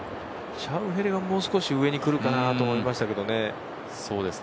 シャウフェレはもう少し上にくるかなと思いましたが。